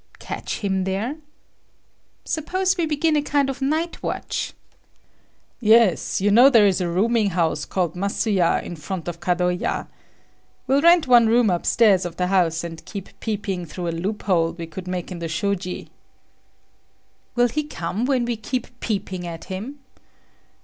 "Catch him there? Suppose we begin a kind of night watch?" "Yes, you know there is a rooming house called Masuya in front of Kadoya. We'll rent one room upstairs of the house, and keep peeping through a loophole we could make in the shoji." "Will he come when we keep peeping at him?"